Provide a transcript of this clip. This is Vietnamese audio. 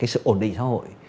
sự ổn định xã hội